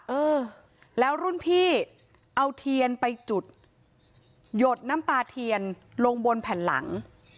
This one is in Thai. เออแล้วรุ่นพี่เอาเทียนไปจุดหยดน้ำตาเทียนลงบนแผ่นหลัง